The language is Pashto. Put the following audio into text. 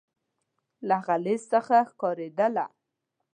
له هغه لیست څخه ښکارېدله.